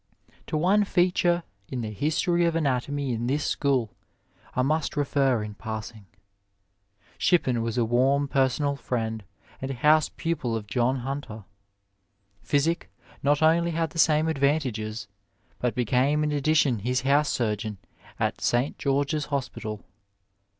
To one feature in the history of anatomy in this school I must refer in passing. Shippen was a warm personal friend and house pupil of John Hunter. Physick not only had the same advantages, but became in addition his house surgeon at St. George's Hospital.